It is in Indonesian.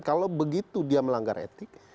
kalau begitu dia melanggar etik